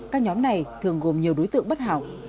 các nhóm này thường gồm nhiều đối tượng bất hảo